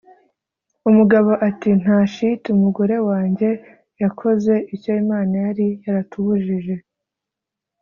umugabo Ati: "Nta shiti, umugore wanjye yakoze icyo Imana yari yaratubujije